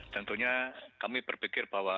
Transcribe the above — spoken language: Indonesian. tentunya kami berpikir bahwa